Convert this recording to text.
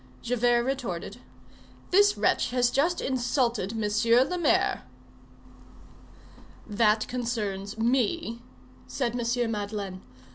Javert retorted:— "This wretch has just insulted Monsieur le Maire." "That concerns me," said M. Madeleine.